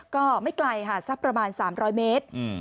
ก็ไม่ไกลค่ะสักประมาณ๓๐๐เมตร